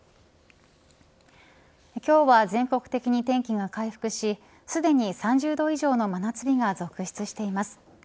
今日は全国的に天気が回復しすでに３０度以上の真夏日が続出しています。